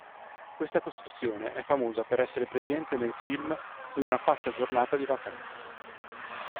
Questa costruzione è famosa per essere presente nel film Una pazza giornata di vacanza.